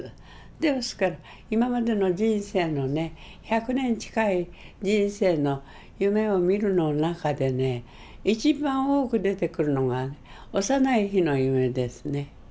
ですから今までの人生のね１００年近い人生の夢を見るの中でね一番多く出てくるのが幼い日の夢ですね。